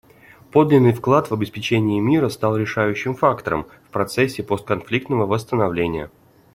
Подлинный вклад в обеспечение мира стал решающим фактором в процессе постконфликтного восстановления.